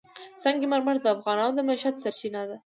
سنگ مرمر د افغانانو د معیشت سرچینه ده.